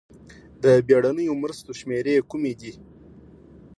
د بېړنیو مرستو شمېرې کومې دي؟